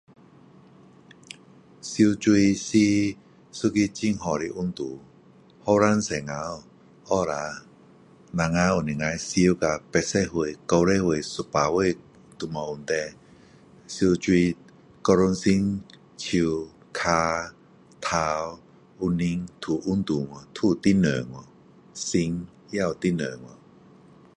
游泳是一个很好的运动。年轻的时候学啦，我们能都游到，八十岁，九十岁，一百岁。都没问题。游泳，全身，手，脚，头，身体，都运动了，都有振动了。心也有振动了。